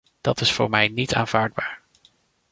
Dat is voor mij niet aanvaardbaar.